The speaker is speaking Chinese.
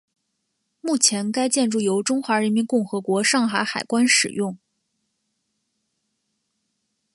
目前该建筑由中华人民共和国上海海关使用。